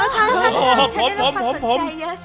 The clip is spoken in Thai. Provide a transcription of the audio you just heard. อ๋อฉันได้รับความสนใจเยอะจัง